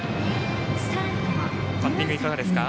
バッティングいかがですか？